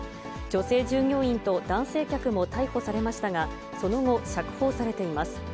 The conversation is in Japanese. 女性従業員と男性客も逮捕されましたが、その後、釈放されています。